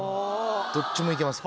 どっちもいけます